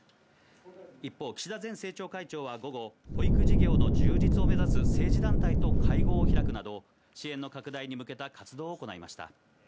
一方、岸田前政調会長は午後、保育事業の充実を目指す政治団体と会合を開くなど、支援の拡大に向けた活動を行いました。